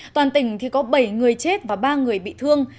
toàn tỉnh có bảy người chết và ba người bị thương